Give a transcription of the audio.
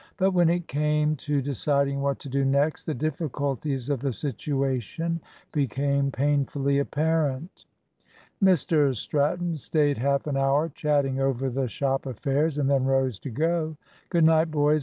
But when it came to deciding what to do next, the difficulties of the situation became painfully apparent. Mr Stratton stayed half an hour chatting over the shop affairs, and then rose to go. "Good night, boys.